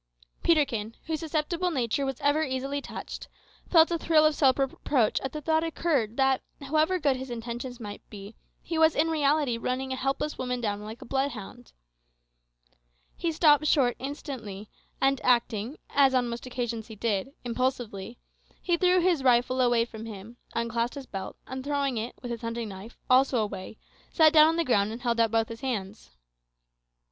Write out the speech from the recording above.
Peterkin, whose susceptible nature was ever easily touched, felt a thrill of self reproach as the thought suddenly occurred that, however good his intentions might be, he was in reality running a helpless woman down like a bloodhound. He stopped short instantly, and acting, as on most occasions he did, impulsively, he threw his rifle away from him, unclasped his belt, and throwing it, with his hunting knife, also away, sat down on the ground and held out both his hands.